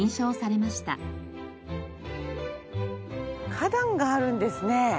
花壇があるんですね。